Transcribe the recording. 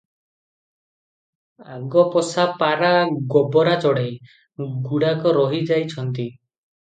ଆଗ ପୋଷା ପାରା ଗୋବରା ଚଢେଇ- ଗୁଡାକ ରହି ଯାଇଛନ୍ତି ।